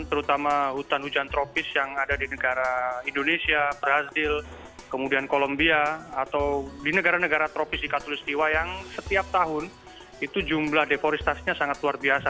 terutama hutan hujan tropis yang ada di negara indonesia brazil kemudian kolombia atau di negara negara tropis di katolistiwa yang setiap tahun itu jumlah deforestasinya sangat luar biasa